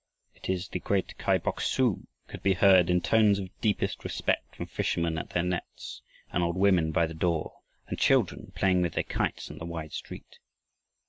"It is the great Kai Bok su," could be heard in tones of deepest respect from fishermen at their nets and old women by the door and children playing with their kites in the wide street.